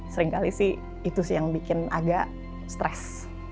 seringkali sih itu sih yang bikin agak stres